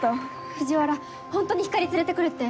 藤原ホントにひかり連れて来るって？